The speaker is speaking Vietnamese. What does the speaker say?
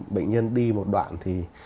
bệnh nhân đi một đoạn thì